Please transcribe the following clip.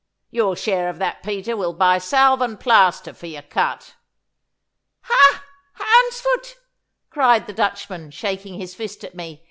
Your share of that, Peter, will buy salve and plaster for your cut.' 'Ha, houndsfoot!' cried the Dutchman, shaking his fist at me.